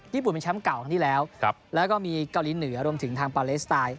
ญี่ปุ่นเป็นแชมป์เก่าครั้งที่แล้วแล้วก็มีเกาหลีเหนือรวมถึงทางปาเลสไตล์